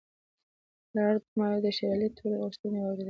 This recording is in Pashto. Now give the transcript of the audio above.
لارډ مایو د شېر علي ټولې غوښتنې واورېدلې.